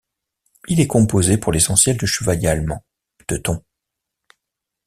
Il est composé pour l’essentiel de chevaliers allemands, teutons.